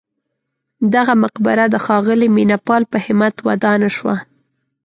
دغه مقبره د ښاغلي مینه پال په همت ودانه شوه.